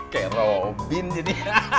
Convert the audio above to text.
kayak robin jadi